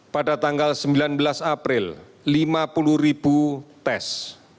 pada tanggal sembilan belas april lima puluh ribu tes